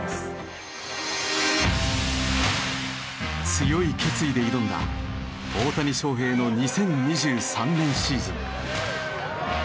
強い決意で挑んだ大谷翔平の２０２３年シーズン。